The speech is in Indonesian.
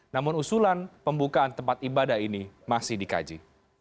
namun usulan pembukaan tempat ibadah ini masih dikaji